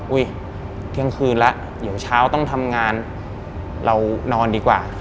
เที่ยงคืนแล้วเดี๋ยวเช้าต้องทำงานเรานอนดีกว่า